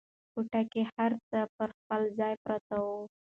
کوټه کې هر څه پر خپل ځای پراته وو.